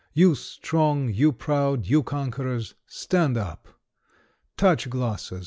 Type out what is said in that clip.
You strong, you proud, you conquerors — stand up! Touch glasses